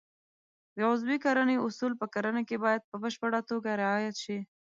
د عضوي کرنې اصول په کرنه کې باید په بشپړه توګه رعایت شي.